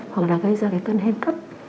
hoặc là gây ra cái cân hên cấp